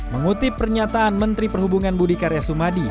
mengutip pernyataan menteri perhubungan budi karya sumadi